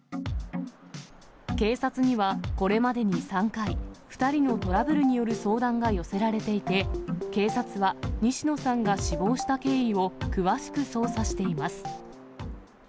警察にはこれまでに３回、２人のトラブルによる相談が寄せられていて、警察は西野さんが死亡した経緯を詳しく捜査しています。